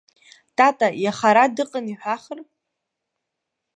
Тата иаха ара дыҟан иҳәахыр!